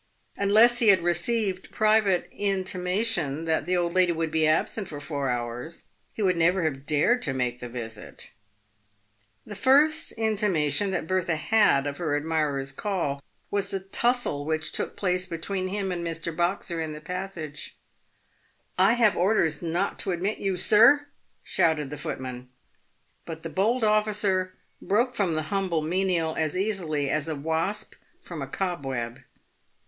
Unless he had received private intimation that the old lady would be absent for four hours he would never have dared to make the visit. The first intimation that Bertha had of her admirer's call was the tussle which took place between him and Mr. Boxer in the passage, " I have orders not to admit you, sir," shouted the footman. But the bold officer broke from the humble menial as easily as a wasp from a cobweb.